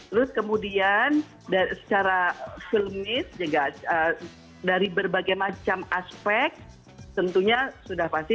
terus kemudian secara filmis juga dari berbagai macam aspek tentunya sudah pasti